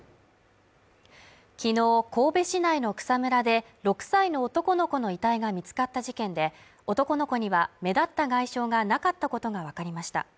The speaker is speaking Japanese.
昨日、神戸市内の草むらで６歳の男の子の遺体が見つかった事件で、男の子には目立った外傷がなかったことがわかりました。